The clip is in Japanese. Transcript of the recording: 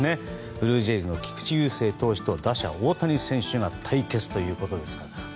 ブルージェイズの菊池雄星投手と打者・大谷選手が対決ということですから。